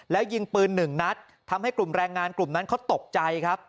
แล้วยิงปืนหนึ่งนัดทำให้กลุ่มแรงงานกลุ่มนั้นเขาตกใจครับ